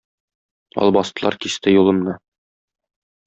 Албастылар кисте юлымны.